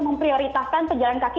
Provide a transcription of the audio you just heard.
memprioritaskan pejalan kaki